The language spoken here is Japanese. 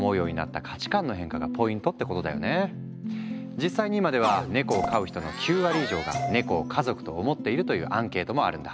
実際に今ではネコを飼う人の９割以上が「ネコを家族」と思っているというアンケートもあるんだ。